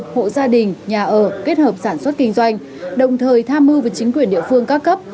hộ gia đình nhà ở kết hợp sản xuất kinh doanh đồng thời tham mưu với chính quyền địa phương các cấp